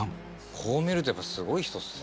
こう見るとやっぱすごい人っすね。